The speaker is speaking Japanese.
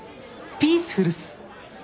ピースフルっす。